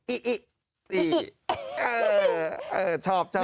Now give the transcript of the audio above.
อิอิชอบ